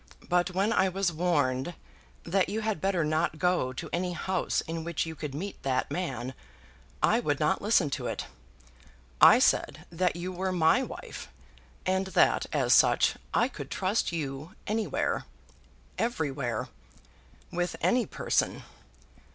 But when I was warned that you had better not go to any house in which you could meet that man, I would not listen to it. I said that you were my wife, and that as such I could trust you anywhere, everywhere, with any person.